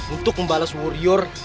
untuk membalas warior